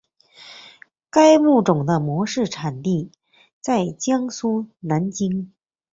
该物种的模式产地在江苏南京。